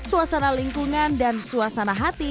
suasana lingkungan dan suasana hati